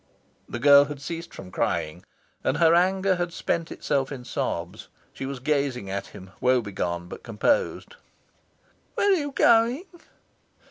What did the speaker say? The girl had ceased from crying, and her anger had spent itself in sobs. She was gazing at him woebegone but composed. "Where are you going?"